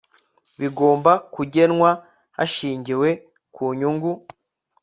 bigomba kugenwa hashingiwe ku nyungu